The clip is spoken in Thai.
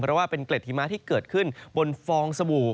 เพราะว่าเป็นเกล็ดหิมะที่เกิดขึ้นบนฟองสบู่